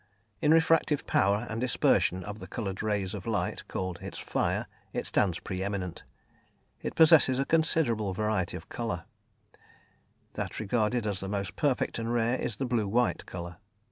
In refractive power and dispersion of the coloured rays of light, called its fire, it stands pre eminent. It possesses a considerable variety of colour; that regarded as the most perfect and rare is the blue white colour.